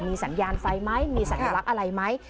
มีสัญญาณไฟมั้ยมีสัญลักษณ์อะไรมั้ย